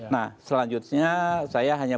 nah selanjutnya saya hanya